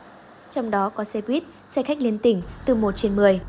trong đó có xe buýt xe khách liên tỉnh từ một trên một mươi